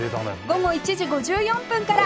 午後１時５４分から！